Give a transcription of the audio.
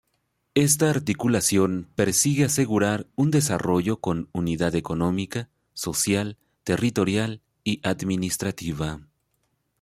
Esta articulación persigue asegurar un desarrollo con unidad económica, social, territorial y administrativa.